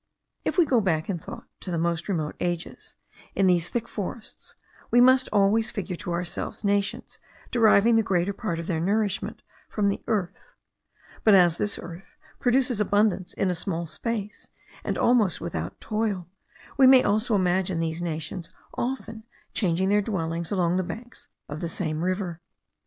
If we go back in thought to the most remote ages, in these thick forests we must always figure to ourselves nations deriving the greater part of their nourishment from the earth; but, as this earth produces abundance in a small space, and almost without toil, we may also imagine these nations often changing their dwellings along the banks of the same river.